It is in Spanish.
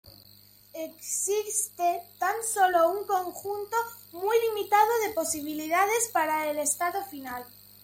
Existe tan solo un conjunto muy limitado de posibilidades para el estado final.